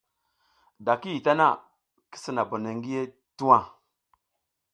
Da ki yih ɗa ta na, ki sina bonoy ngi yih tuwa.